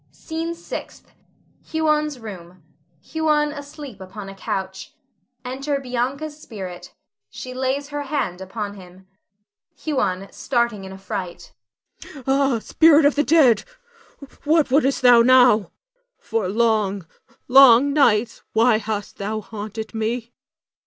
SCENE SIXTH. [Huon's room. Huon asleep upon a couch. Enter Bianca's spirit. She lays her hand upon him.] Huon [starting in affright]. Ha! spirit of the dead, what wouldst thou now? For long, long nights why hast thou haunted me?